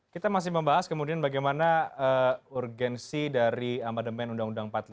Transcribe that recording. kita masih membahas kemudian bagaimana urgensi dari amendement undang undang empat puluh lima